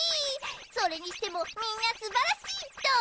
それにしてもみんなすばらしいっトン！